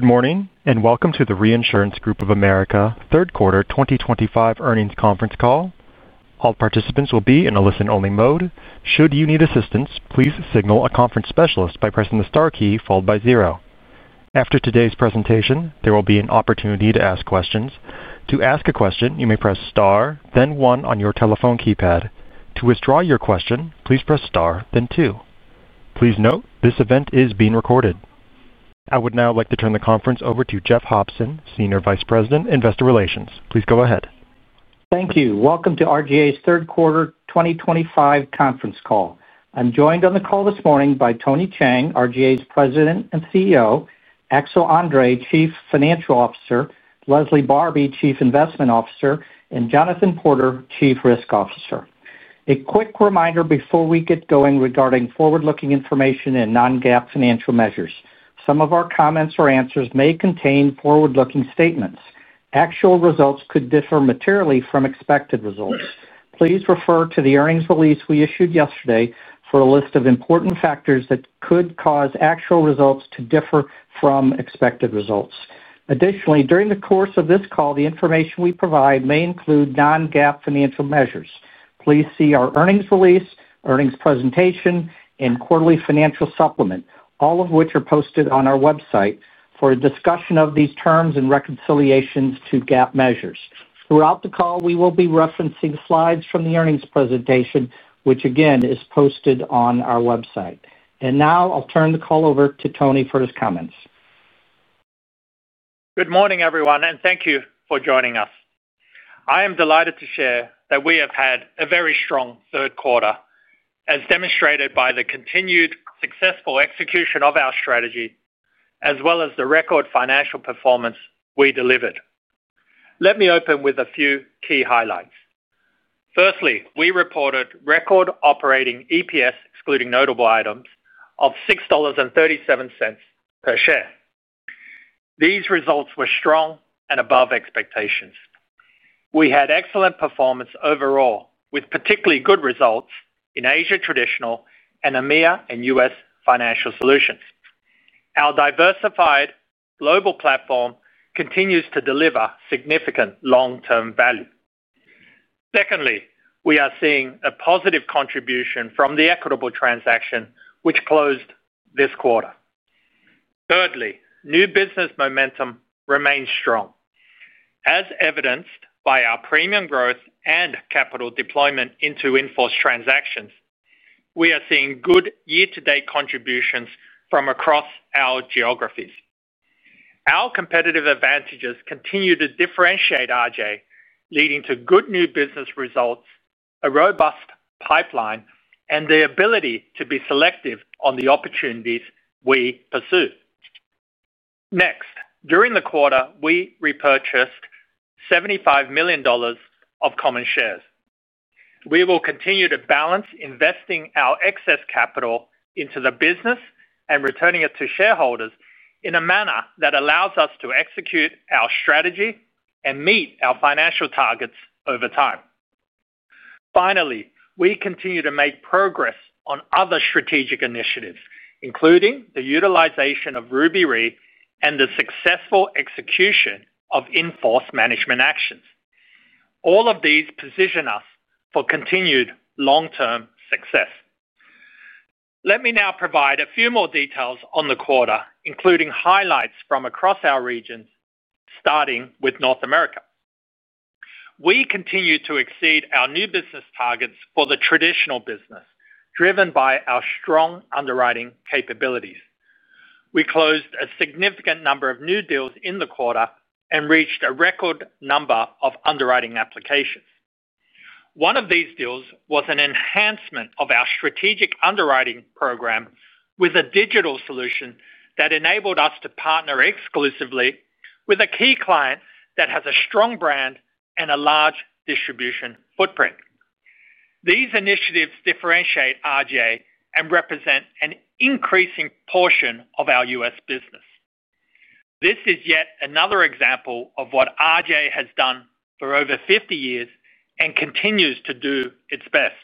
Good morning and welcome to the Reinsurance Group of America Third Quarter 2025 earnings conference call. All participants will be in a listen-only mode. Should you need assistance, please signal a conference specialist by pressing the star key followed by zero. After today's presentation, there will be an opportunity to ask questions. To ask a question, you may press star, then one on your telephone keypad. To withdraw your question, please press star, then two. Please note this event is being recorded. I would now like to turn the conference over to Jeff Hopson, Senior Vice President, Investor Relations. Please go ahead. Thank you. Welcome to RGA's Third Quarter 2025 conference call. I'm joined on the call this morning by Tony Cheng, RGA's President and CEO, Axel André, Chief Financial Officer, Leslie Barbi, Chief Investment Officer, and Jonathan Porter, Chief Risk Officer. A quick reminder before we get going regarding forward-looking information and non-GAAP financial measures. Some of our comments or answers may contain forward-looking statements. Actual results could differ materially from expected results. Please refer to the earnings release we issued yesterday for a list of important factors that could cause actual results to differ from expected results. Additionally, during the course of this call, the information we provide may include non-GAAP financial measures. Please see our earnings release, earnings presentation, and quarterly financial supplement, all of which are posted on our website for a discussion of these terms and reconciliations to GAAP measures. Throughout the call, we will be referencing slides from the earnings presentation, which again is posted on our website. I will turn the call over to Tony for his comments. Good morning, everyone, and thank you for joining us. I am delighted to share that we have had a very strong third quarter, as demonstrated by the continued successful execution of our strategy, as well as the record financial performance we delivered. Let me open with a few key highlights. Firstly, we reported record operating EPS, excluding notable items, of $6.37 per share. These results were strong and above expectations. We had excellent performance overall, with particularly good results in Asia Traditional and EMEA and U.S. Financial Solutions. Our diversified global platform continues to deliver significant long-term value. Secondly, we are seeing a positive contribution from the Equitable transaction, which closed this quarter. Thirdly, new business momentum remains strong. As evidenced by our premium growth and capital deployment into in-force transactions, we are seeing good year-to-date contributions from across our geographies. Our competitive advantages continue to differentiate RGA, leading to good new business results, a robust pipeline, and the ability to be selective on the opportunities we pursue. Next, during the quarter, we repurchased $75 million of common shares. We will continue to balance investing our excess capital into the business and returning it to shareholders in a manner that allows us to execute our strategy and meet our financial targets over time. Finally, we continue to make progress on other strategic initiatives, including the utilization of Ruby Re and the successful execution of in-force management actions. All of these position us for continued long-term success. Let me now provide a few more details on the quarter, including highlights from across our regions, starting with North America. We continue to exceed our new business targets for the Traditional business, driven by our strong underwriting capabilities. We closed a significant number of new deals in the quarter and reached a record number of underwriting applications. One of these deals was an enhancement of our strategic underwriting program with a digital solution that enabled us to partner exclusively with a key client that has a strong brand and a large distribution footprint. These initiatives differentiate RGA and represent an increasing portion of our U.S. business. This is yet another example of what RGA has done for over 50 years and continues to do its best,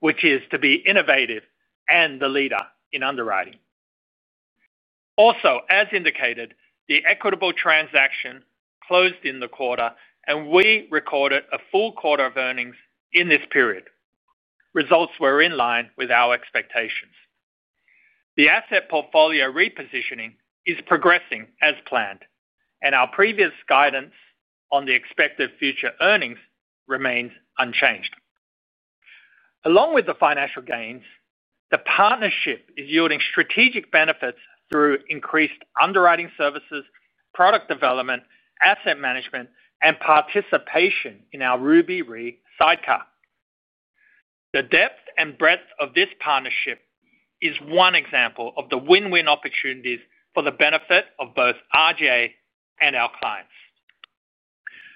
which is to be innovative and the leader in underwriting. Also, as indicated, the Equitable transaction closed in the quarter, and we recorded a full quarter of earnings in this period. Results were in line with our expectations. The asset portfolio repositioning is progressing as planned, and our previous guidance on the expected future earnings remains unchanged. Along with the financial gains, the partnership is yielding strategic benefits through increased underwriting services, product development, asset management, and participation in our Ruby Re sidecar. The depth and breadth of this partnership is one example of the win-win opportunities for the benefit of both RGA and our clients.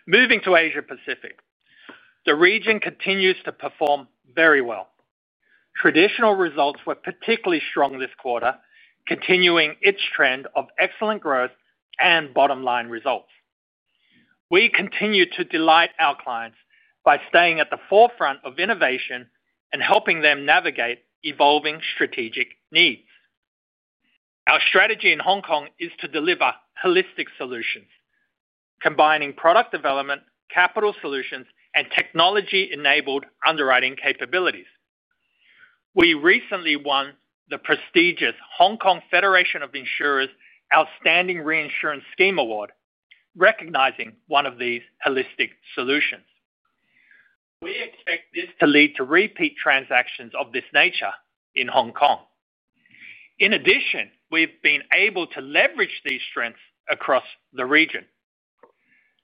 Moving to Asia-Pacific, the region continues to perform very well. Traditional results were particularly strong this quarter, continuing its trend of excellent growth and bottom-line results. We continue to delight our clients by staying at the forefront of innovation and helping them navigate evolving strategic needs. Our strategy in Hong Kong is to deliver holistic solutions, combining product development, capital solutions, and technology-enabled underwriting capabilities. We recently won the prestigious Hong Kong Federation of Insurers Outstanding Reinsurance Scheme Award, recognizing one of these holistic solutions. We expect this to lead to repeat transactions of this nature in Hong Kong. In addition, we've been able to leverage these strengths across the region.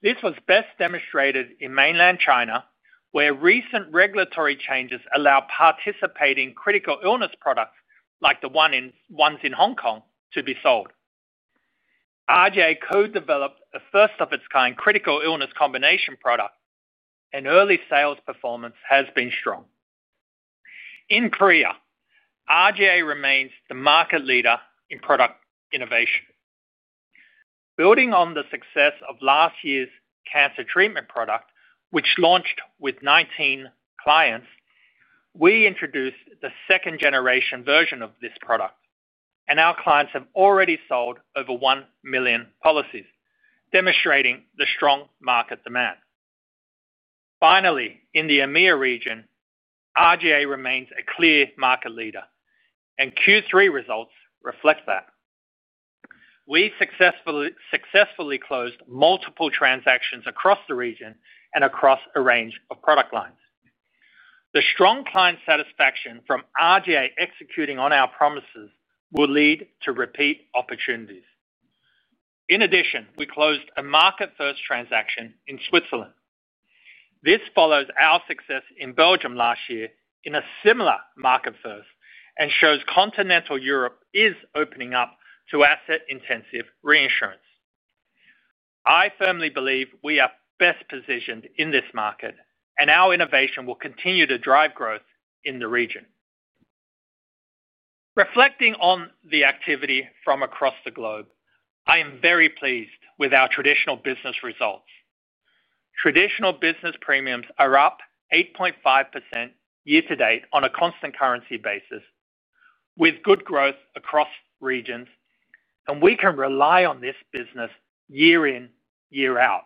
This was best demonstrated in mainland China, where recent regulatory changes allow participating critical illness products like the ones in Hong Kong to be sold. RGA co-developed a first-of-its-kind critical illness combination product, and early sales performance has been strong. In Korea, RGA remains the market leader in product innovation. Building on the success of last year's cancer treatment product, which launched with 19 clients, we introduced the second-generation version of this product, and our clients have already sold over 1 million policies, demonstrating the strong market demand. Finally, in the EMEA region, RGA remains a clear market leader, and Q3 results reflect that. We successfully closed multiple transactions across the region and across a range of product lines. The strong client satisfaction from RGA executing on our promises will lead to repeat opportunities. In addition, we closed a market-first transaction in Switzerland. This follows our success in Belgium last year in a similar market-first and shows continental Europe is opening up to asset-intensive reinsurance. I firmly believe we are best positioned in this market, and our innovation will continue to drive growth in the region. Reflecting on the activity from across the globe, I am very pleased with our Traditional business results. Traditional business premiums are up 8.5% year-to-date on a constant currency basis, with good growth across regions, and we can rely on this business year in, year out,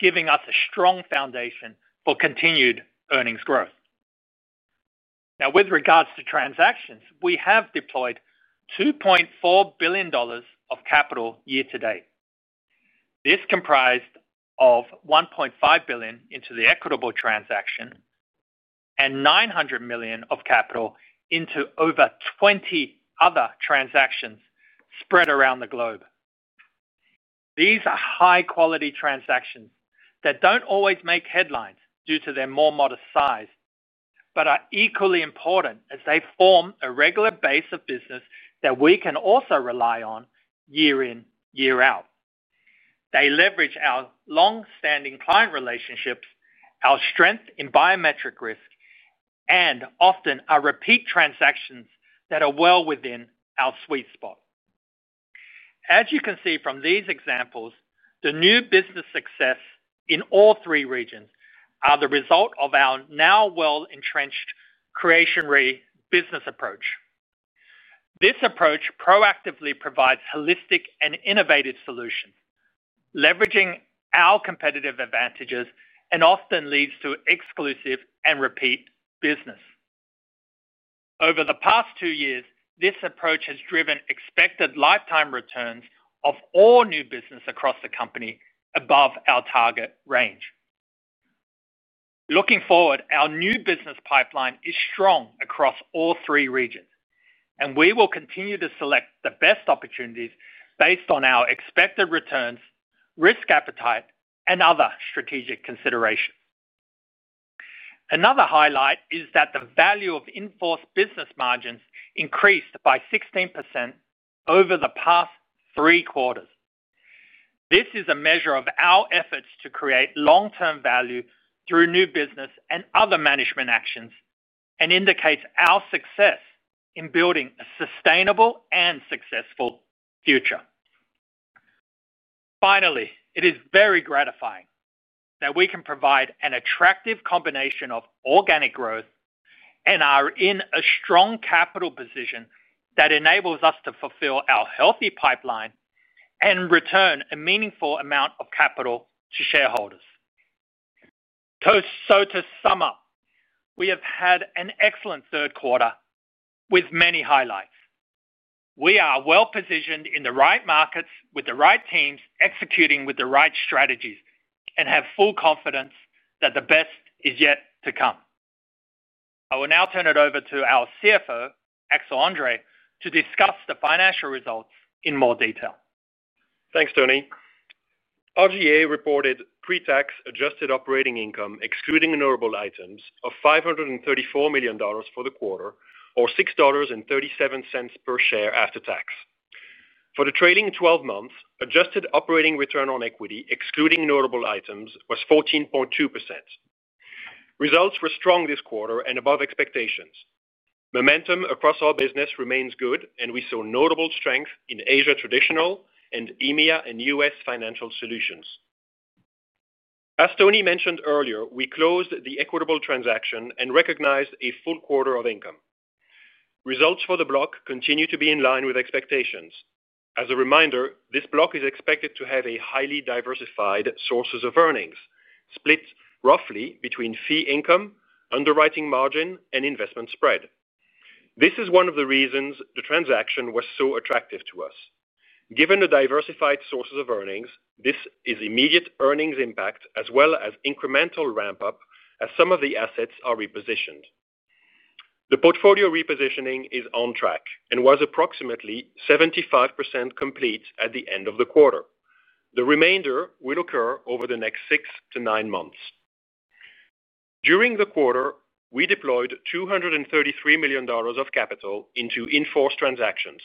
giving us a strong foundation for continued earnings growth. Now, with regards to transactions, we have deployed $2.4 billion of capital year-to-date. This comprised $1.5 billion into the Equitable transaction and $900 million of capital into over 20 other transactions spread around the globe. These are high-quality transactions that don't always make headlines due to their more modest size, but are equally important as they form a regular base of business that we can also rely on year in, year out. They leverage our long-standing client relationships, our strength in biometric risk, and often are repeat transactions that are well within our sweet spot. As you can see from these examples, the new business success in all three regions is the result of our now well-entrenched creationary business approach. This approach proactively provides holistic and innovative solutions, leveraging our competitive advantages, and often leads to exclusive and repeat business. Over the past two years, this approach has driven expected lifetime returns of all new business across the company above our target range. Looking forward, our new business pipeline is strong across all three regions, and we will continue to select the best opportunities based on our expected returns, risk appetite, and other strategic considerations. Another highlight is that the value of in-force business margins increased by 16% over the past three quarters. This is a measure of our efforts to create long-term value through new business and other management actions and indicates our success in building a sustainable and successful future. Finally, it is very gratifying that we can provide an attractive combination of organic growth and are in a strong capital position that enables us to fulfill our healthy pipeline and return a meaningful amount of capital to shareholders. To sum up, we have had an excellent third quarter with many highlights. We are well-positioned in the right markets with the right teams executing with the right strategies, and have full confidence that the best is yet to come. I will now turn it over to our CFO, Axel André, to discuss the financial results in more detail. Thanks, Tony. RGA reported pre-tax adjusted operating income, excluding notable items, of $534 million for the quarter, or $6.37 per share after tax. For the trailing 12 months, adjusted operating return on equity, excluding notable items, was 14.2%. Results were strong this quarter and above expectations. Momentum across our business remains good, and we saw notable strength in Asia Traditional and EMEA and U.S. Financial Solutions. As Tony mentioned earlier, we closed the Equitable transaction and recognized a full quarter of income. Results for the block continue to be in line with expectations. As a reminder, this block is expected to have highly diversified sources of earnings, split roughly between fee income, underwriting margin, and investment spread. This is one of the reasons the transaction was so attractive to us. Given the diversified sources of earnings, this is immediate earnings impact as well as incremental ramp-up as some of the assets are repositioned. The portfolio repositioning is on track and was approximately 75% complete at the end of the quarter. The remainder will occur over the next six to nine months. During the quarter, we deployed $233 million of capital into in-force transactions,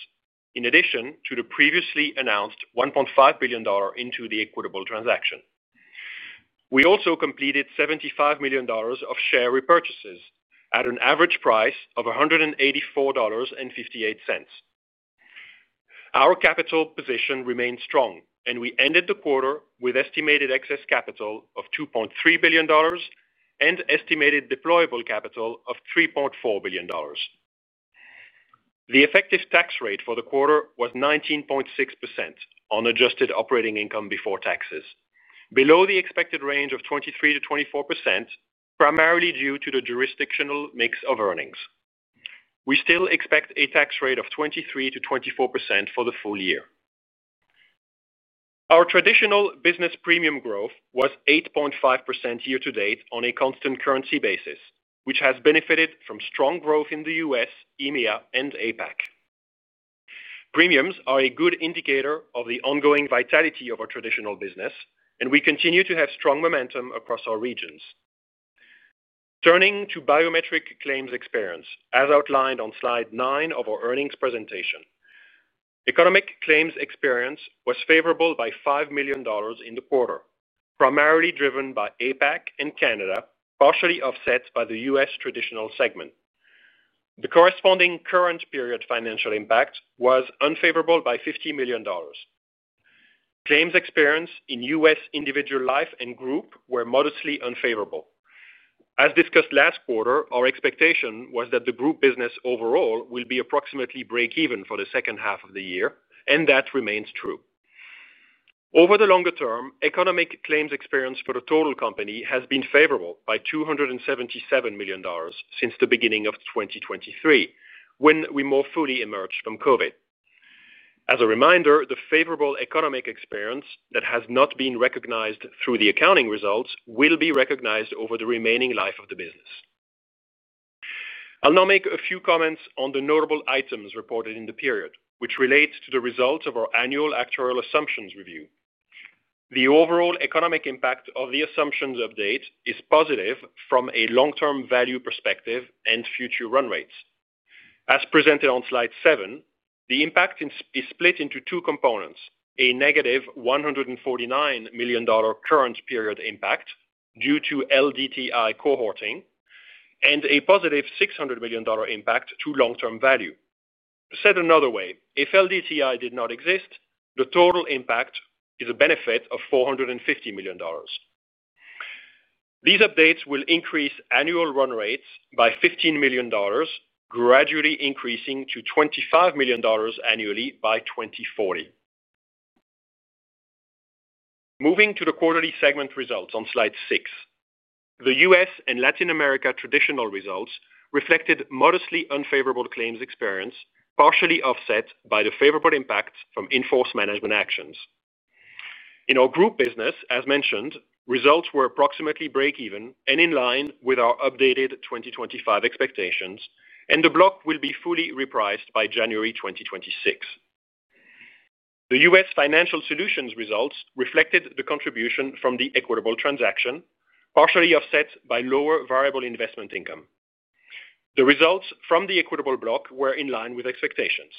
in addition to the previously announced $1.5 billion into the Equitable transaction. We also completed $75 million of share repurchases at an average price of $184.58. Our capital position remained strong, and we ended the quarter with estimated excess capital of $2.3 billion and estimated deployable capital of $3.4 billion. The effective tax rate for the quarter was 19.6% on adjusted operating income before taxes, below the expected range of 23%-24%, primarily due to the jurisdictional mix of earnings. We still expect a tax rate of 23%-24% for the full year. Our Traditional business premium growth was 8.5% year-to-date on a constant currency basis, which has benefited from strong growth in the U.S., EMEA, and APAC. Premiums are a good indicator of the ongoing vitality of our Traditional business, and we continue to have strong momentum across our regions. Turning to biometric claims experience, as outlined on slide nine of our earnings presentation. Economic claims experience was favorable by $5 million in the quarter, primarily driven by APAC and Canada, partially offset by the U.S. Traditional segment. The corresponding current-period financial impact was unfavorable by $50 million. Claims experience in U.S. individual life and group were modestly unfavorable. As discussed last quarter, our expectation was that the group business overall will be approximately break-even for the second half of the year, and that remains true. Over the longer term, economic claims experience for the total company has been favorable by $277 million since the beginning of 2023, when we more fully emerged from COVID. As a reminder, the favorable economic experience that has not been recognized through the accounting results will be recognized over the remaining life of the business. I'll now make a few comments on the notable items reported in the period, which relate to the results of our annual actuarial assumption updates review. The overall economic impact of the assumptions update is positive from a long-term value perspective and future run rates. As presented on slide seven, the impact is split into two components: a -$149 million current-period impact due to LDTI cohorting and a +$600 million impact to long-term value. Said another way, if LDTI did not exist, the total impact is a benefit of $450 million. These updates will increase annual run rates by $15 million, gradually increasing to $25 million annually by 2040. Moving to the quarterly segment results on slide six, the U.S. and Latin America Traditional results reflected modestly unfavorable claims experience, partially offset by the favorable impact from in-force management actions. In our group business, as mentioned, results were approximately break-even and in line with our updated 2025 expectations, and the block will be fully repriced by January 2026. The U.S. financial solutions results reflected the contribution from the Equitable transaction, partially offset by lower variable investment income. The results from the Equitable block were in line with expectations.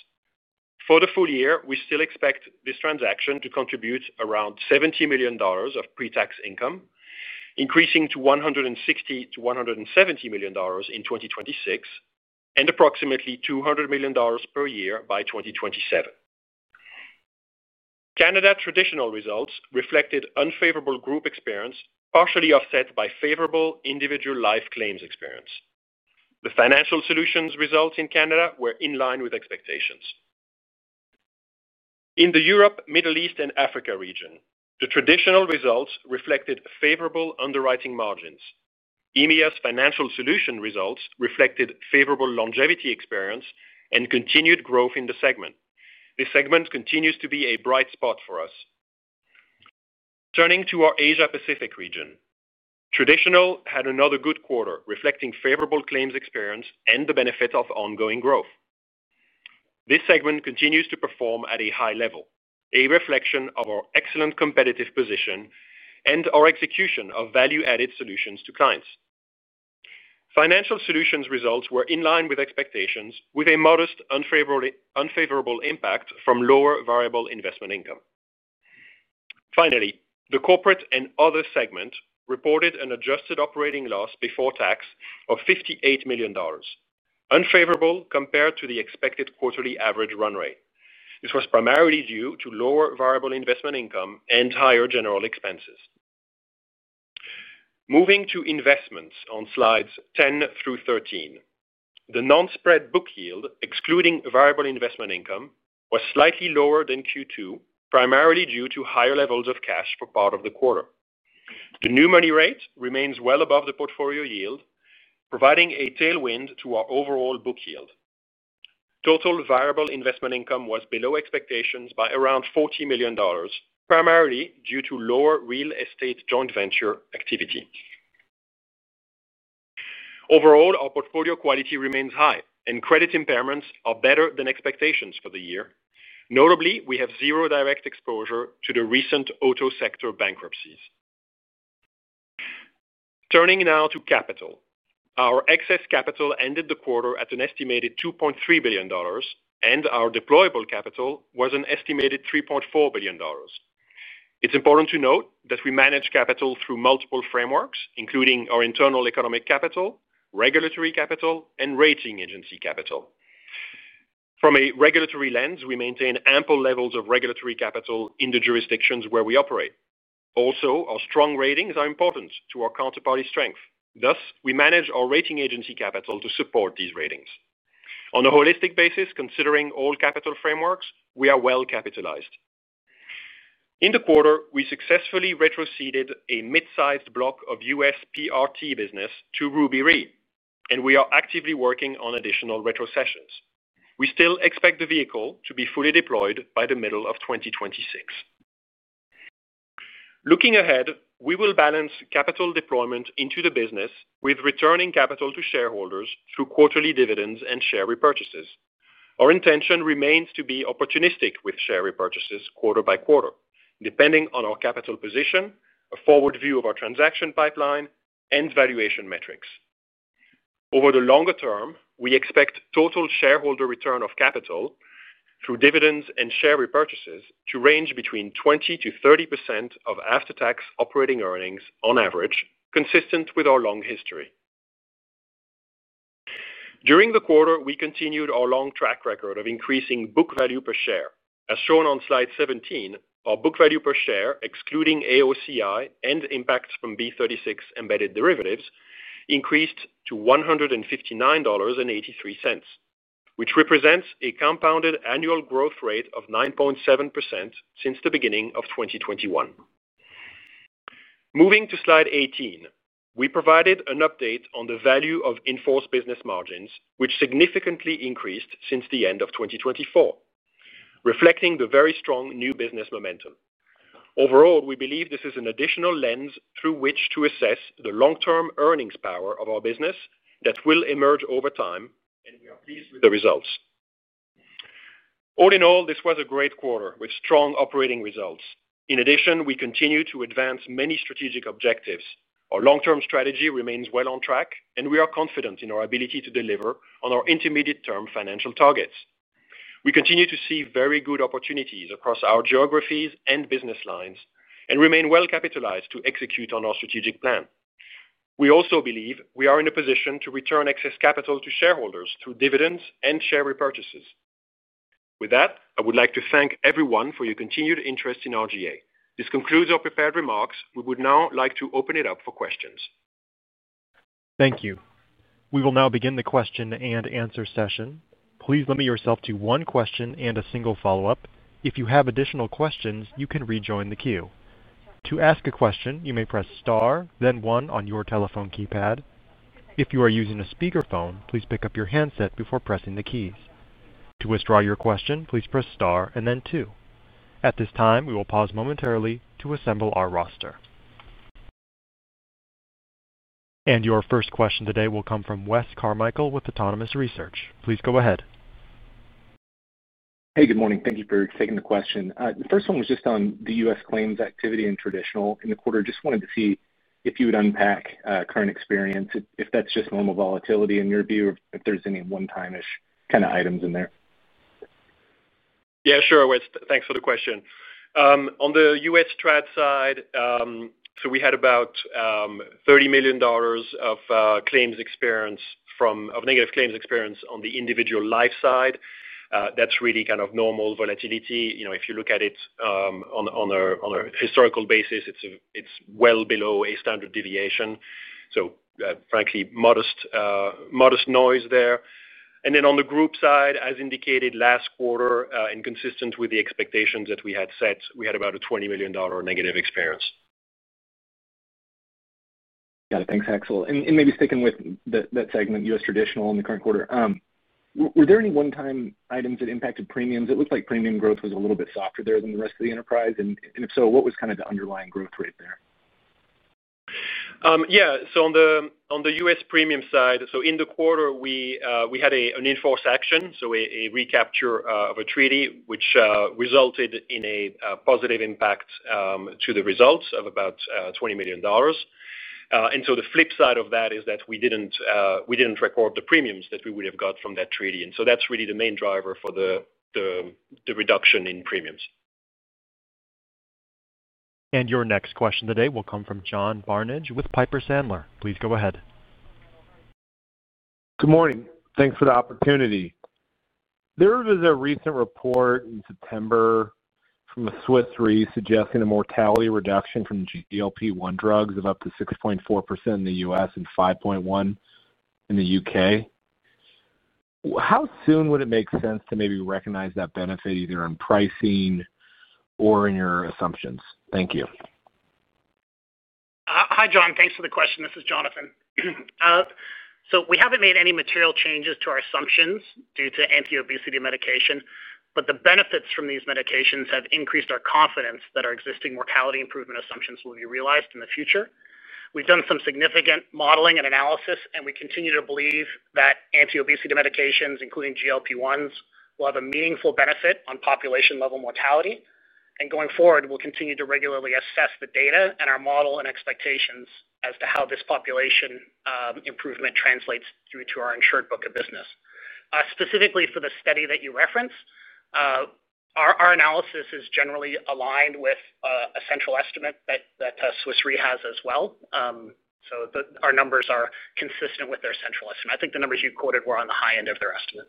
For the full year, we still expect this transaction to contribute around $70 million of pre-tax income, increasing to $160 million-$170 million in 2026, and approximately $200 million per year by 2027. Canada Traditional results reflected unfavorable group experience, partially offset by favorable individual life claims experience. The financial solutions results in Canada were in line with expectations. In the Europe, Middle East, and Africa region, the Traditional results reflected favorable underwriting margins. EMEA's financial solutions results reflected favorable longevity experience and continued growth in the segment. This segment continues to be a bright spot for us. Turning to our Asia-Pacific region, Traditional had another good quarter, reflecting favorable claims experience and the benefit of ongoing growth. This segment continues to perform at a high level, a reflection of our excellent competitive position and our execution of value-added solutions to clients. Financial solutions results were in line with expectations, with a modest unfavorable impact from lower variable investment income. Finally, the Corporate and Other segment reported an adjusted operating loss before tax of $58 million, unfavorable compared to the expected quarterly average run rate. This was primarily due to lower variable investment income and higher general expenses. Moving to investments on slides 10 through 13, the non-spread book yield, excluding variable investment income, was slightly lower than Q2, primarily due to higher levels of cash for part of the quarter. The new money rate remains well above the portfolio yield, providing a tailwind to our overall book yield. Total variable investment income was below expectations by around $40 million, primarily due to lower real estate joint venture activity. Overall, our portfolio quality remains high, and credit impairments are better than expectations for the year. Notably, we have zero direct exposure to the recent auto sector bankruptcies. Turning now to capital, our excess capital ended the quarter at an estimated $2.3 billion, and our deployable capital was an estimated $3.4 billion. It's important to note that we manage capital through multiple frameworks, including our internal economic capital, regulatory capital, and rating agency capital. From a regulatory lens, we maintain ample levels of regulatory capital in the jurisdictions where we operate. Also, our strong ratings are important to our counterparty strength. Thus, we manage our rating agency capital to support these ratings. On a holistic basis, considering all capital frameworks, we are well capitalized. In the quarter, we successfully retroceded a mid-sized block of U.S. PRT business to Ruby Re, and we are actively working on additional retrocessions. We still expect the vehicle to be fully deployed by the middle of 2026. Looking ahead, we will balance capital deployment into the business with returning capital to shareholders through quarterly dividends and share repurchases. Our intention remains to be opportunistic with share repurchases quarter by quarter, depending on our capital position, a forward view of our transaction pipeline, and valuation metrics. Over the longer term, we expect total shareholder return of capital through dividends and share repurchases to range between 20%-30% of after-tax operating earnings on average, consistent with our long history. During the quarter, we continued our long track record of increasing book value per share. As shown on slide 17, our book value per share, excluding AOCI and impacts from B36 embedded derivatives, increased to $159.83, which represents a compounded annual growth rate of 9.7% since the beginning of 2021. Moving to slide 18, we provided an update on the value of in-force business margins, which significantly increased since the end of 2024, reflecting the very strong new business momentum. Overall, we believe this is an additional lens through which to assess the long-term earnings power of our business that will emerge over time, and we are pleased with the results. All in all, this was a great quarter with strong operating results. In addition, we continue to advance many strategic objectives. Our long-term strategy remains well on track, and we are confident in our ability to deliver on our intermediate-term financial targets. We continue to see very good opportunities across our geographies and business lines and remain well capitalized to execute on our strategic plan. We also believe we are in a position to return excess capital to shareholders through dividends and share repurchases. With that, I would like to thank everyone for your continued interest in RGA. This concludes our prepared remarks. We would now like to open it up for questions. Thank you. We will now begin the question and answer session. Please limit yourself to one question and a single follow-up. If you have additional questions, you can rejoin the queue. To ask a question, you may press star, then one on your telephone keypad. If you are using a speakerphone, please pick up your handset before pressing the keys. To withdraw your question, please press star and then two. At this time, we will pause momentarily to assemble our roster. Your first question today will come from Wes Carmichael with Autonomous Research. Please go ahead. Hey, good morning. Thank you for taking the question. The first one was just on the U.S. claims activity in Traditional. In the quarter, I just wanted to see if you would unpack current experience, if that's just normal volatility in your view, if there's any one-time-ish kind of items in there. Yeah, sure, Wes. Thanks for the question. On the U.S. trad side, we had about $30 million of claims experience from negative claims experience on the individual life side. That's really kind of normal volatility. If you look at it on a historical basis, it's well below a standard deviation. Frankly, modest noise there. On the group side, as indicated last quarter and consistent with the expectations that we had set, we had about a $20 million negative experience. Got it. Thanks, Axel. Maybe sticking with that segment, U.S. Traditional in the current quarter, were there any one-time items that impacted premiums? It looks like premium growth was a little bit softer there than the rest of the enterprise. If so, what was kind of the underlying growth rate there? Yeah. On the U.S. premium side, in the quarter, we had an in-force action, a recapture of a treaty, which resulted in a positive impact to the results of about $20 million. The flip side of that is that we didn't record the premiums that we would have got from that treaty, and that's really the main driver for the reduction in premiums. Your next question today will come from John Barnidge with Piper Sandler. Please go ahead. Good morning. Thanks for the opportunity. There was a recent report in September from a Swiss read suggesting a mortality reduction from GLP-1 drugs of up to 6.4% in the US and 5.1% in the U.K. How soon would it make sense to maybe recognize that benefit either in pricing or in your assumptions? Thank you. Hi, John. Thanks for the question. This is Jonathan. We haven't made any material changes to our assumptions due to anti-obesity medication, but the benefits from these medications have increased our confidence that our existing mortality improvement assumptions will be realized in the future. We've done some significant modeling and analysis, and we continue to believe that anti-obesity medications, including GLP-1s, will have a meaningful benefit on population-level mortality. Going forward, we'll continue to regularly assess the data and our model and expectations as to how this population improvement translates through to our insured book of business. Specifically for the study that you referenced, our analysis is generally aligned with a central estimate that Swiss Re has as well. Our numbers are consistent with their central estimate. I think the numbers you quoted were on the high end of their estimate.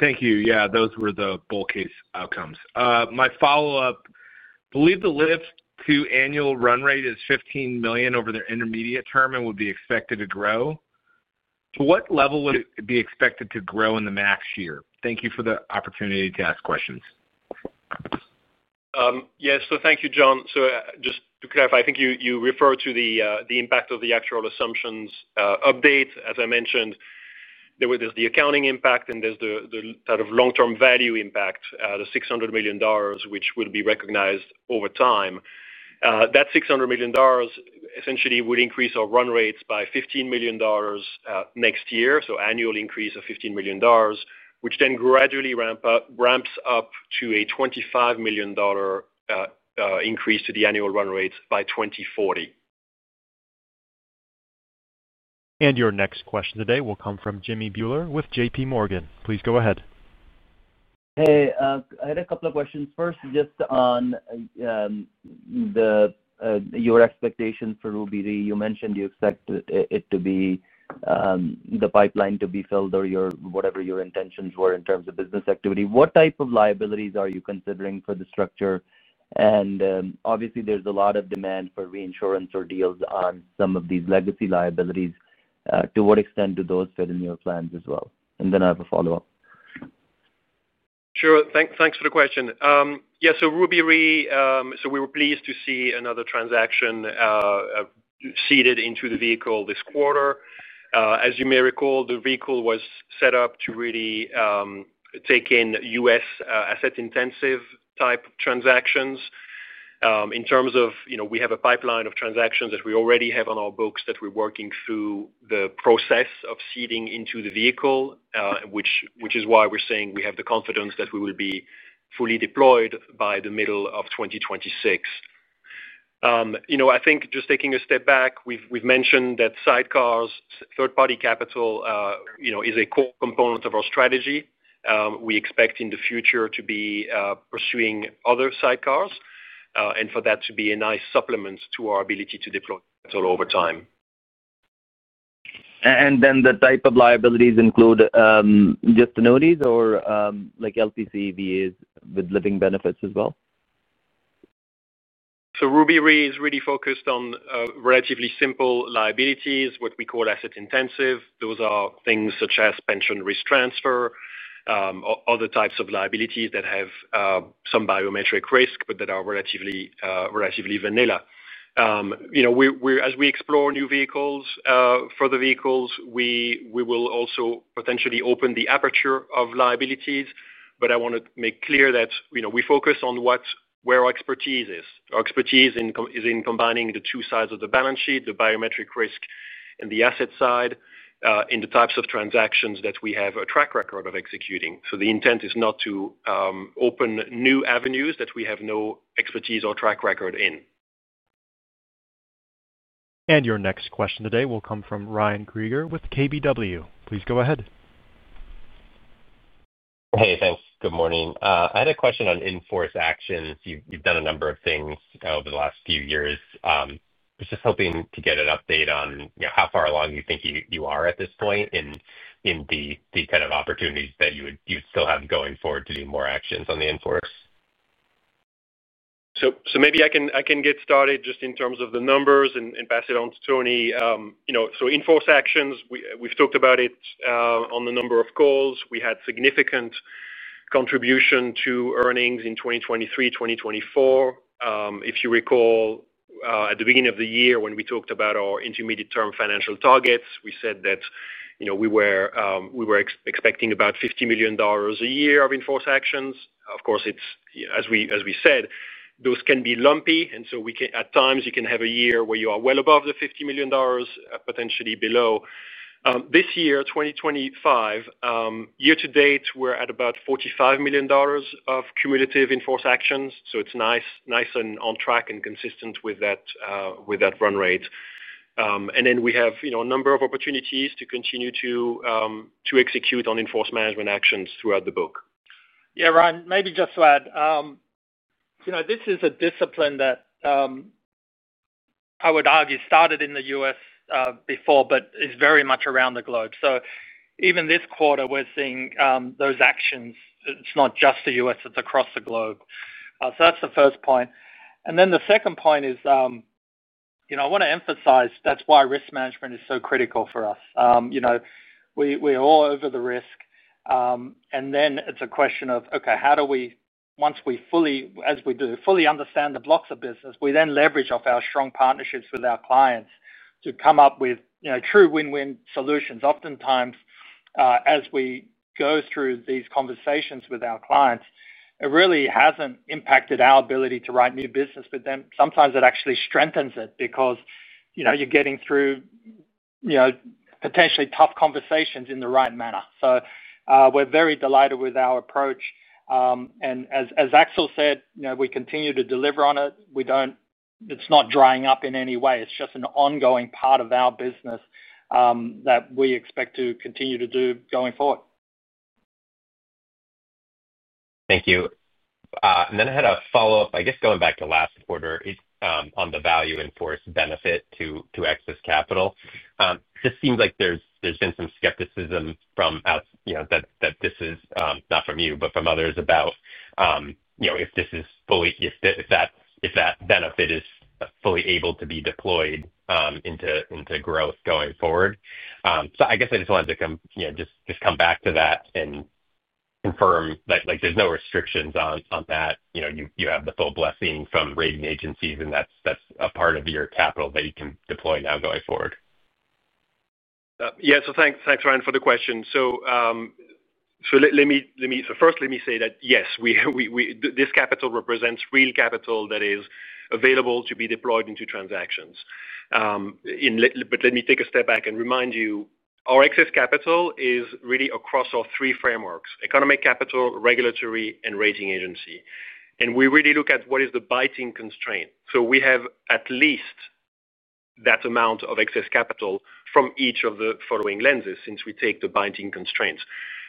Thank you. Yeah, those were the bull case outcomes. My follow-up, I believe the [lift] to annual run rate is $15 million over the intermediate term and would be expected to grow. To what level would it be expected to grow in the max year? Thank you for the opportunity to ask questions. Thank you, John. Just to clarify, I think you referred to the impact of the actuarial assumption updates. As I mentioned, there was the accounting impact, and there's the sort of long-term value impact, the $600 million, which will be recognized over time. That $600 million essentially would increase our run rates by $15 million next year, so annual increase of $15 million, which then gradually ramps up to a $25 million increase to the annual run rates by 2040. Your next question today will come from Jimmy Bhullar with JPMorgan. Please go ahead. I had a couple of questions. First, just on your expectations for Ruby Re. You mentioned you expect it to be the pipeline to be filled or whatever your intentions were in terms of business activity. What type of liabilities are you considering for the structure? Obviously, there's a lot of demand for reinsurance or deals on some of these legacy liabilities. To what extent do those fit in your plans as well? I have a follow-up. Sure. Thanks for the question. Yeah, so Ruby Re, we were pleased to see another transaction seeded into the vehicle this quarter. As you may recall, the vehicle was set up to really take in U.S. asset-intensive type transactions. We have a pipeline of transactions that we already have on our books that we're working through the process of seeding into the vehicle, which is why we're saying we have the confidence that we will be fully deployed by the middle of 2026. I think just taking a step back, we've mentioned that sidecars, third-party capital, is a core component of our strategy. We expect in the future to be pursuing other sidecars and for that to be a nice supplement to our ability to deploy capital over time. The type of liabilities include just annuities or LTC, [VAs] with living benefits as well? Ruby Re is really focused on relatively simple liabilities, what we call asset-intensive. Those are things such as pension risk transfer, other types of liabilities that have some biometric risk, but that are relatively vanilla. As we explore new vehicles, further vehicles, we will also potentially open the aperture of liabilities. I want to make clear that we focus on where our expertise is. Our expertise is in combining the two sides of the balance sheet, the biometric risk and the asset side, in the types of transactions that we have a track record of executing. The intent is not to open new avenues that we have no expertise or track record in. Your next question today will come from Ryan Krueger with KBW. Please go ahead. Hey, thanks. Good morning. I had a question on in-force actions. You've done a number of things over the last few years. I was just hoping to get an update on how far along you think you are at this point in the kind of opportunities that you would still have going forward to do more actions on the in-force. Maybe I can get started just in terms of the numbers and pass it on to Tony. In-force actions, we've talked about it on a number of calls. We had significant contribution to earnings in 2023, 2024. If you recall, at the beginning of the year when we talked about our intermediate-term financial targets, we said that we were expecting about $50 million a year of in-force actions. Of course, as we said, those can be lumpy, and at times, you can have a year where you are well above the $50 million, potentially below. This year, 2025, year to date, we're at about $45 million of cumulative in-force actions. It's nice and on track and consistent with that run rate. We have a number of opportunities to continue to execute on in-force management actions throughout the book. Yeah, Ryan, maybe just to add, this is a discipline that I would argue started in the U.S. before, but is very much around the globe. Even this quarter, we're seeing those actions. It's not just the U.S., it's across the globe. That's the first point. The second point is I want to emphasize that's why risk management is so critical for us. We're all over the risk, and then it's a question of, okay, how do we, once we fully, as we do, fully understand the blocks of business, we then leverage our strong partnerships with our clients to come up with true win-win solutions. Oftentimes, as we go through these conversations with our clients, it really hasn't impacted our ability to write new business, but then sometimes it actually strengthens it because you're getting through potentially tough conversations in the right manner. We're very delighted with our approach. As Axel said, we continue to deliver on it. It's not drying up in any way. It's just an ongoing part of our business that we expect to continue to do going forward. Thank you. I had a follow-up, going back to last quarter on the value in force benefit to excess capital. It just seems like there's been some skepticism from others about if that benefit is fully able to be deployed into growth going forward. I just wanted to come back to that and confirm that there's no restrictions on that. You have the full blessing from rating agencies, and that's a part of your capital that you can deploy now going forward. Yeah, so thanks, Ryan, for the question. First, let me say that, yes, this capital represents real capital that is available to be deployed into transactions. Let me take a step back and remind you, our excess capital is really across our three frameworks: economic capital, regulatory, and rating agency. We really look at what is the biting constraint. We have at least that amount of excess capital from each of the following lenses since we take the biting constraints.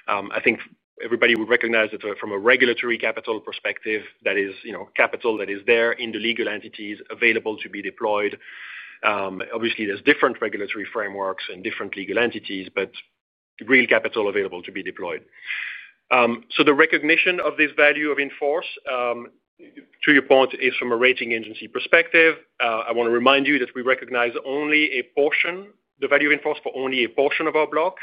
I think everybody would recognize that from a regulatory capital perspective, that is capital that is there in the legal entities available to be deployed. Obviously, there are different regulatory frameworks and different legal entities, but real capital available to be deployed. The recognition of this value of in-force, to your point, is from a rating agency perspective. I want to remind you that we recognize only a portion, the value of in-force for only a portion of our block.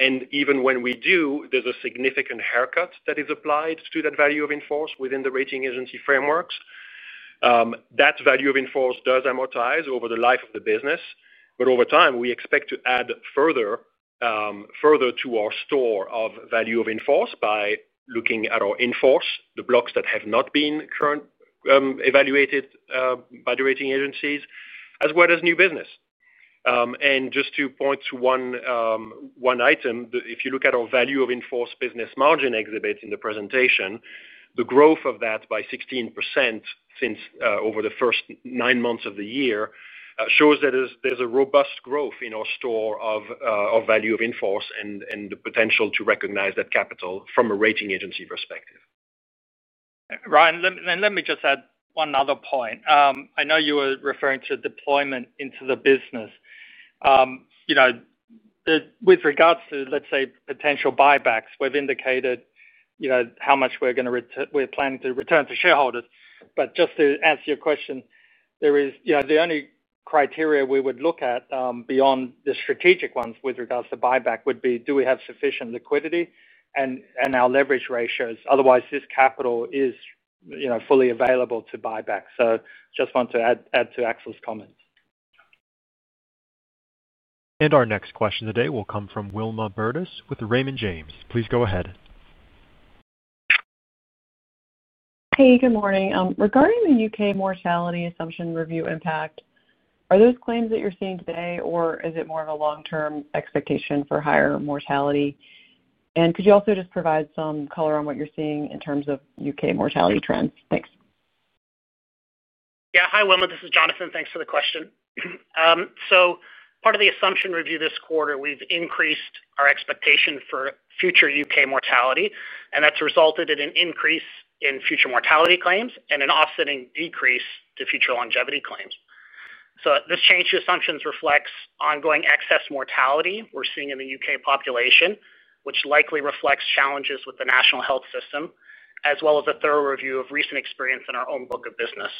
Even when we do, there's a significant haircut that is applied to that value of in-force within the rating agency frameworks. That value of in-force does amortize over the life of the business. Over time, we expect to add further to our store of value of in-force by looking at our in-force, the blocks that have not been currently evaluated by the rating agencies, as well as new business. Just to point to one item, if you look at our value of in-force business margin exhibits in the presentation, the growth of that by 16% over the first nine months of the year shows that there's a robust growth in our store of value of in-force and the potential to recognize that capital from a rating agency perspective. Ryan, let me just add one other point. I know you were referring to deployment into the business. With regards to, let's say, potential buybacks, we've indicated how much we're going to, we're planning to return to shareholders. Just to answer your question, the only criteria we would look at beyond the strategic ones with regards to buyback would be, do we have sufficient liquidity and our leverage ratios? Otherwise, this capital is fully available to buyback. I just want to add to Axel's comments. Our next question today will come from Wilma Burdis with Raymond James. Please go ahead. Hey, good morning. Regarding the U.K. mortality assumption review impact, are those claims that you're seeing today, or is it more of a long-term expectation for higher mortality? Could you also just provide some color on what you're seeing in terms of U.K. mortality trends? Thanks. Yeah, hi, Wilma. This is Jonathan. Thanks for the question. Part of the assumption review this quarter, we've increased our expectation for future U.K. mortality. That's resulted in an increase in future mortality claims and an offsetting decrease to future longevity claims. This change to assumptions reflects ongoing excess mortality we're seeing in the UK population, which likely reflects challenges with the national health system, as well as a thorough review of recent experience in our own book of business.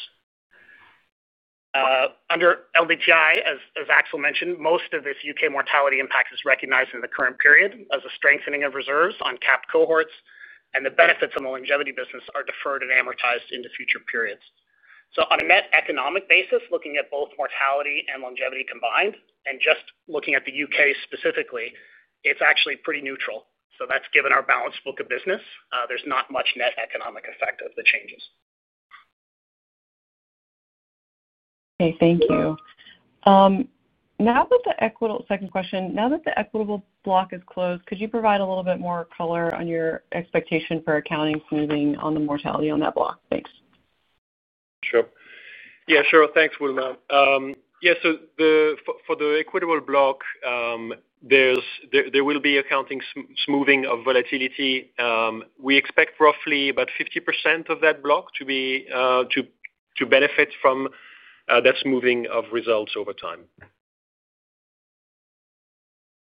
Under LDTI, as Axel mentioned, most of this U.K. mortality impact is recognized in the current period as a strengthening of reserves on capped cohorts, and the benefits on the longevity business are deferred and amortized into future periods. On a net economic basis, looking at both mortality and longevity combined, and just looking at the U.K. specifically, it's actually pretty neutral. That's given our balanced book of business. There's not much net economic effect of the changes. Okay, thank you. Now that the Equitable, second question, now that the Equitable block is closed, could you provide a little bit more color on your expectation for accounting smoothing on the mortality on that block? Thanks. Sure. Thanks, Wilma. For the Equitable block, there will be accounting smoothing of volatility. We expect roughly about 50% of that block to benefit from that smoothing of results over time.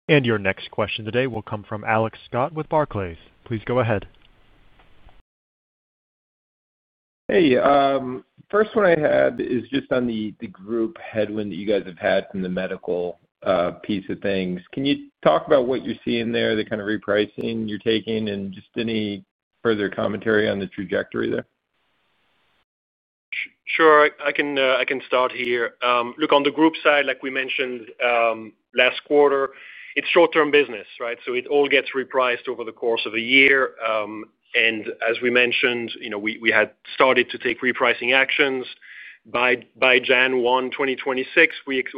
Your next question today will come from Alex Scott with Barclays. Please go ahead. Hey, first one I had is just on the group headwind that you guys have had from the medical piece of things. Can you talk about what you're seeing there, the kind of repricing you're taking, and just any further commentary on the trajectory there? Sure. I can start here. Look, on the group side, like we mentioned last quarter, it's short-term business, right? It all gets repriced over the course of a year. As we mentioned, we had started to take repricing actions. By January 1, 2026,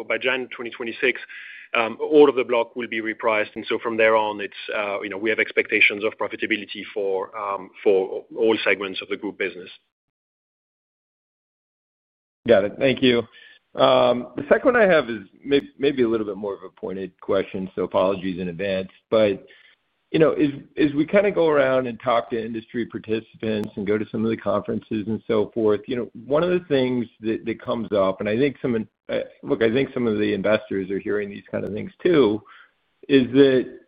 by January 2026, all of the block will be repriced. From there on, we have expectations of profitability for all segments of the group business. Got it. Thank you. The second one I have is maybe a little bit more of a pointed question, so apologies in advance. As we kind of go around and talk to industry participants and go to some of the conferences and so forth, one of the things that comes up, and I think some of the investors are hearing these kinds of things too, is that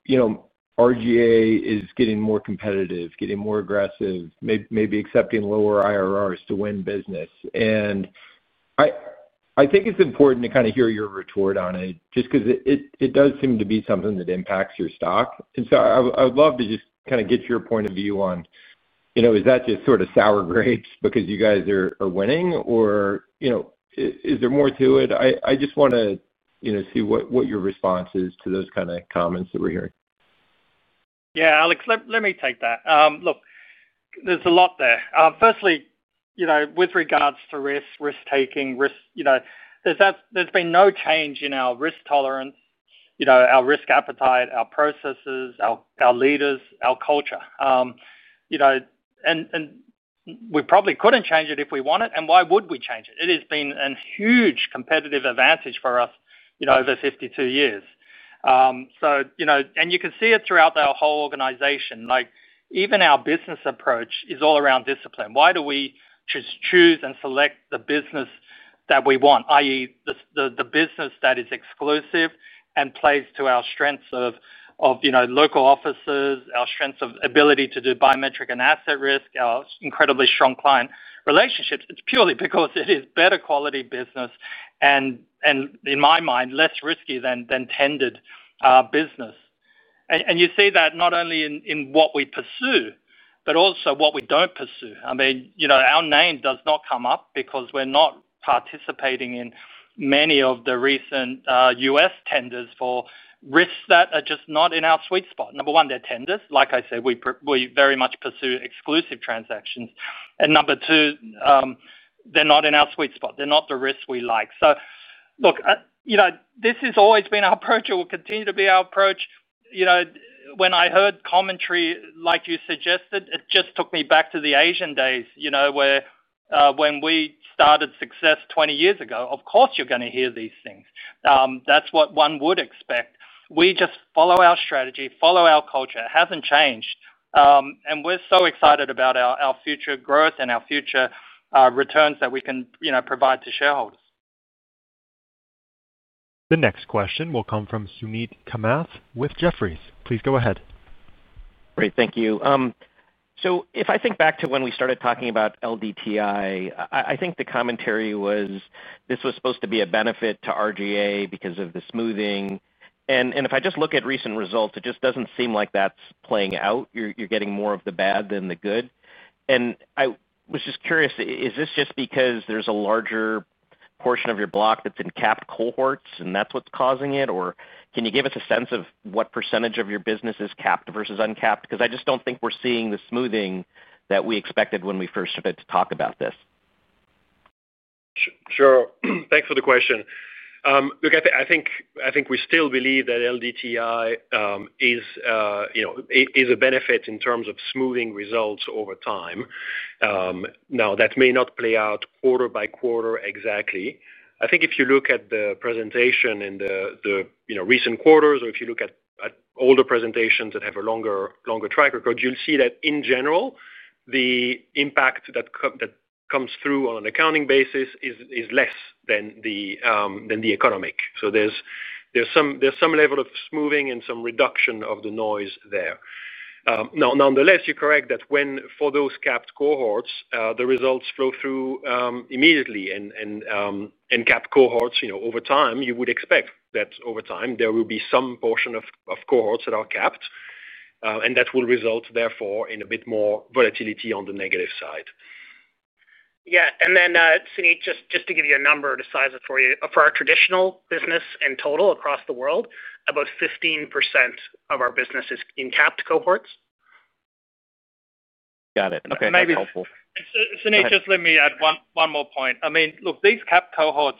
RGA is getting more competitive, getting more aggressive, maybe accepting lower IRRs to win business. I think it's important to kind of hear your retort on it just because it does seem to be something that impacts your stock. I would love to just kind of get your point of view on is that just sort of sour grapes because you guys are winning, or is there more to it? I just want to see what your response is to those kinds of comments that we're hearing. Yeah, Axel, let me take that. Look, there's a lot there. Firstly, with regards to risk, risk-taking. There's been no change in our risk tolerance, our risk appetite, our processes, our leaders, our culture. We probably couldn't change it if we wanted, and why would we change it? It has been a huge competitive advantage for us over 52 years. You can see it throughout our whole organization. Even our business approach is all around discipline. Why do we choose and select the business that we want, i.e., the business that is exclusive and plays to our strengths of local offices, our strengths of ability to do biometric and asset risk, our incredibly strong client relationships? It's purely because it is better quality business and, in my mind, less risky than tendered business. You see that not only in what we pursue, but also what we don't pursue. Our name does not come up because we're not participating in many of the recent U.S. tenders for risks that are just not in our sweet spot. Number one, they're tenders. Like I said, we very much pursue exclusive transactions. Number two, they're not in our sweet spot. They're not the risks we like. Look, this has always been our approach. It will continue to be our approach. When I heard commentary like you suggested, it just took me back to the Asian days where, when we started success 20 years ago, of course, you're going to hear these things. That's what one would expect. We just follow our strategy, follow our culture. It hasn't changed. We're so excited about our future growth and our future returns that we can provide to shareholders. The next question will come from Suneet Kamath with Jefferies. Please go ahead. Great. Thank you. If I think back to when we started talking about LDTI, I think the commentary was this was supposed to be a benefit to RGA because of the smoothing. If I just look at recent results, it just doesn't seem like that's playing out. You're getting more of the bad than the good. I was just curious, is this just because there's a larger portion of your block that's in capped cohorts and that's what's causing it? Can you give us a sense of what percentage of your business is capped versus uncapped? I just don't think we're seeing the smoothing that we expected when we first started to talk about this. Sure. Thanks for the question. Look, I think we still believe that LDTI is a benefit in terms of smoothing results over time. Now, that may not play out quarter by quarter exactly. I think if you look at the presentation in the recent quarters, or if you look at older presentations that have a longer track record, you'll see that in general, the impact that comes through on an accounting basis is less than the economic. So there's some level of smoothing and some reduction of the noise there. Nonetheless, you're correct that for those capped cohorts, the results flow through immediately. Capped cohorts, over time, you would expect that over time, there will be some portion of cohorts that are capped, and that will result, therefore, in a bit more volatility on the negative side. Yeah, Suneet, just to give you a number to size it for you, for our traditional business in total across the world, about 15% of our business is in capped cohorts. Got it. Okay, that's helpful. Suneet, just let me add one more point. I mean, look, these capped cohorts.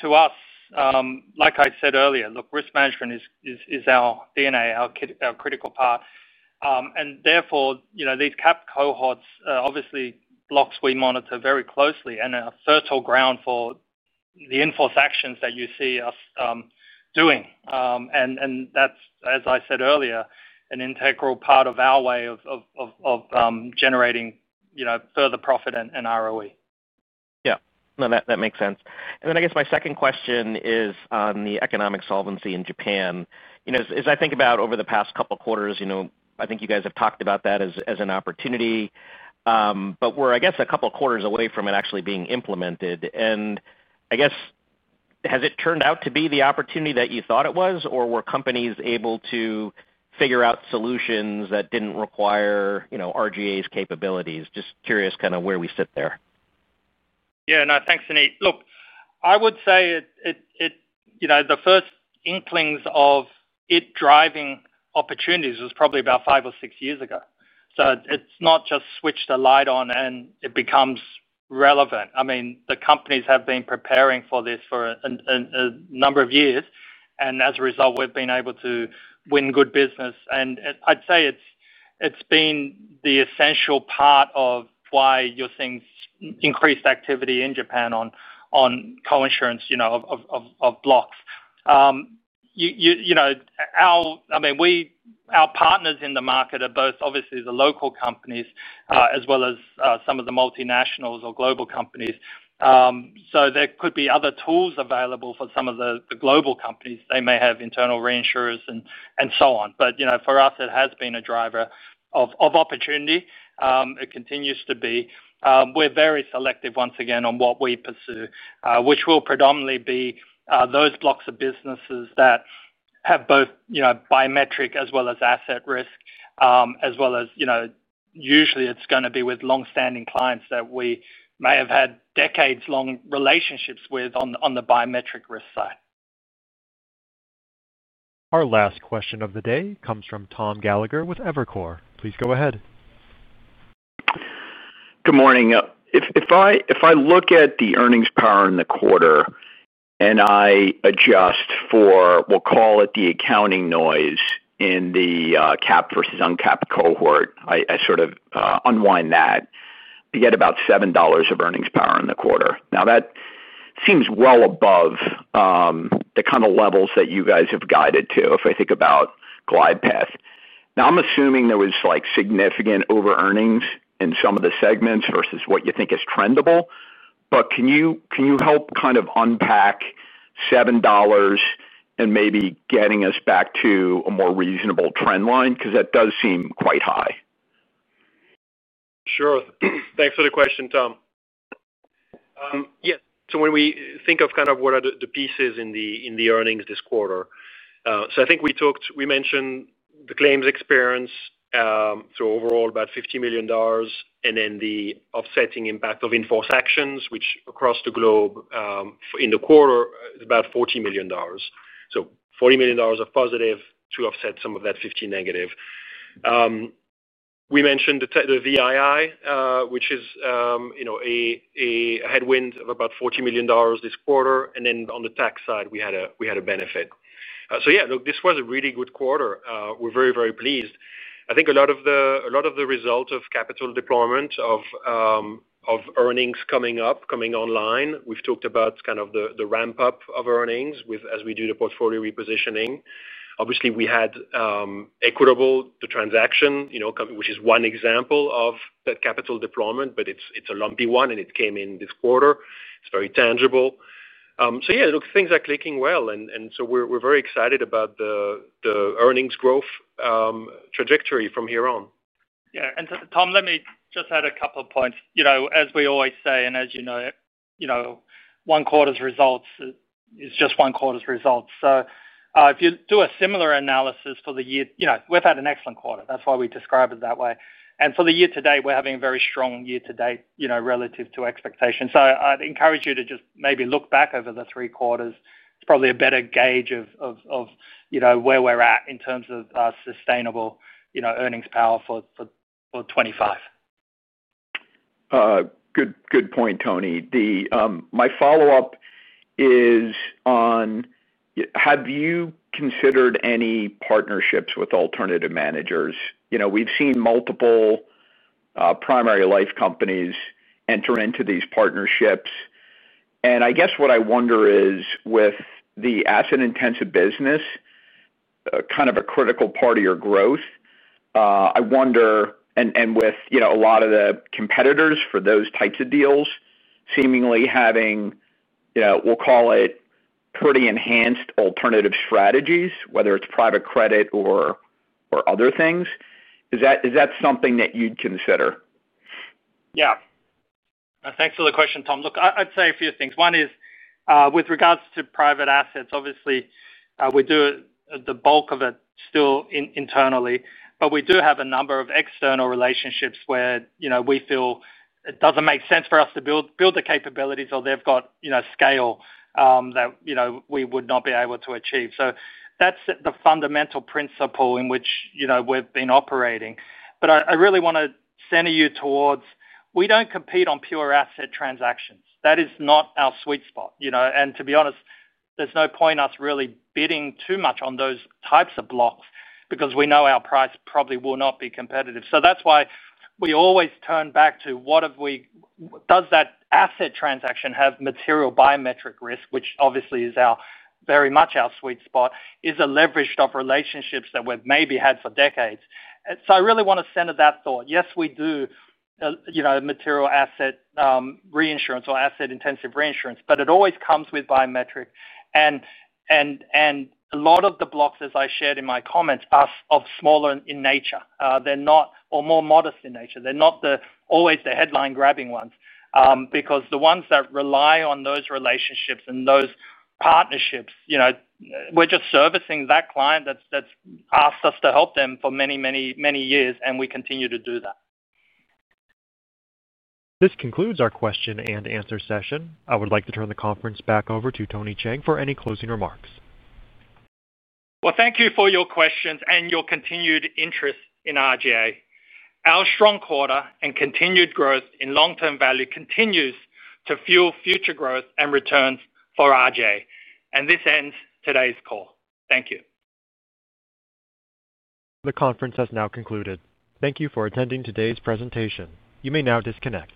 To us, like I said earlier, risk management is our DNA, our critical part. Therefore, these capped cohorts, obviously, blocks we monitor very closely and are fertile ground for the in-force actions that you see us doing. That's, as I said earlier, an integral part of our way of generating further profit and ROE. Yeah, no, that makes sense. I guess my second question is on the economic solvency in Japan. As I think about over the past couple of quarters, I think you guys have talked about that as an opportunity. We're a couple of quarters away from it actually being implemented. Has it turned out to be the opportunity that you thought it was, or were companies able to figure out solutions that didn't require RGA's capabilities? Just curious kind of where we sit there. Yeah. No, thanks, Suneet. Look, I would say the first inklings of it driving opportunities was probably about five or six years ago. It's not just switched a light on and it becomes relevant. I mean, the companies have been preparing for this for a number of years. As a result, we've been able to win good business. I'd say it's been the essential part of why you're seeing increased activity in Japan on co-insurance of blocks. Our partners in the market are both, obviously, the local companies as well as some of the multinationals or global companies. There could be other tools available for some of the global companies. They may have internal reinsurers and so on. For us, it has been a driver of opportunity. It continues to be. We're very selective, once again, on what we pursue, which will predominantly be those blocks of businesses that have both biometric as well as asset risk. Usually it's going to be with long-standing clients that we may have had decades-long relationships with on the biometric risk side. Our last question of the day comes from Tom Gallagher with Evercore. Please go ahead. Good morning. If I look at the earnings power in the quarter and I adjust for, we'll call it the accounting noise in the capped versus uncapped cohort, I sort of unwind that. You get about $7 of earnings power in the quarter. That seems well above the kind of levels that you guys have guided to if I think about glide path. I'm assuming there was significant over-earnings in some of the segments versus what you think is trendable. Can you help kind of unpack $7 and maybe getting us back to a more reasonable trend line? That does seem quite high. Sure. Thanks for the question, Tom. Yes. When we think of kind of what are the pieces in the earnings this quarter, I think we mentioned the claims experience. Overall, about $50 million, and then the offsetting impact of in-force actions, which across the globe in the quarter is about $40 million. $40 million of positive to offset some of that -$50 million. We mentioned the [VII], which is a headwind of about $40 million this quarter. On the tax side, we had a benefit. This was a really good quarter. We're very, very pleased. I think a lot of the result of capital deployment of earnings coming up, coming online, we've talked about kind of the ramp-up of earnings as we do the portfolio repositioning. Obviously, we had Equitable, the transaction, which is one example of that capital deployment, but it's a lumpy one, and it came in this quarter. It's very tangible. Things are clicking well. We're very excited about the earnings growth trajectory from here on. Yeah. Tom, let me just add a couple of points. As we always say, and as you know, one quarter's results is just one quarter's results. If you do a similar analysis for the year, we've had an excellent quarter. That's why we describe it that way. For the year to date, we're having a very strong year to date relative to expectations. I'd encourage you to just maybe look back over the three quarters. It's probably a better gauge of where we're at in terms of sustainable earnings power for 2025. Good point, Tony. My follow-up is on, have you considered any partnerships with alternative managers? We've seen multiple primary life companies enter into these partnerships. I guess what I wonder is with the asset-intensive business, kind of a critical part of your growth, and with a lot of the competitors for those types of deals seemingly having, we'll call it, pretty enhanced alternative strategies, whether it's private credit or other things. Is that something that you'd consider? Yeah. Thanks for the question, Tom. I'd say a few things. One is with regards to private assets, obviously, we do the bulk of it still internally. We do have a number of external relationships where we feel it doesn't make sense for us to build the capabilities, or they've got scale that we would not be able to achieve. That's the fundamental principle in which we've been operating. I really want to center you towards we don't compete on pure asset transactions. That is not our sweet spot. To be honest, there's no point us really bidding too much on those types of blocks because we know our price probably will not be competitive. That's why we always turn back to what have we does that asset transaction have material biometric risk, which obviously is very much our sweet spot, is a leverage of relationships that we've maybe had for decades. I really want to center that thought. Yes, we do material asset reinsurance or asset-intensive reinsurance, but it always comes with biometric. A lot of the blocks, as I shared in my comments, are of smaller in nature. They're not, or more modest in nature. They're not always the headline-grabbing ones. The ones that rely on those relationships and those partnerships, we're just servicing that client that's asked us to help them for many, many, many years, and we continue to do that. This concludes our question and answer session. I would like to turn the conference back over to Tony Cheng for any closing remarks. Thank you for your questions and your continued interest in RGA. Our strong quarter and continued growth in long-term value continues to fuel future growth and returns for RGA. This ends today's call. Thank you. The conference has now concluded. Thank you for attending today's presentation. You may now disconnect.